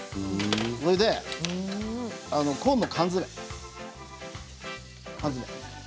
それでコーンの缶詰。